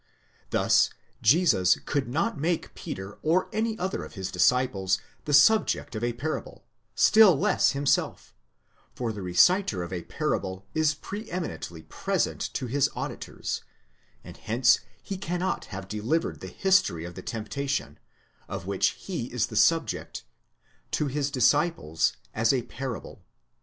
Thus Jesus could not make Peter or any other of his disciples the subject of a parable, still less himself, for the reciter of a parable is pre eminently present to his auditors ; and hence he cannot have delivered the history of the temp tation, of which he is the subject, to his disciples as a parable.